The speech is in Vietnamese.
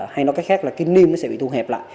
hay nói cách khác là cái niêm nó sẽ bị thu hẹp lại